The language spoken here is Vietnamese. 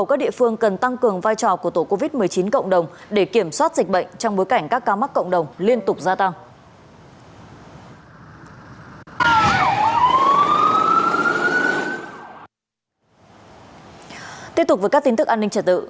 covid một mươi chín cộng đồng để kiểm soát dịch bệnh trong bối cảnh các ca mắc cộng đồng liên tục gia tăng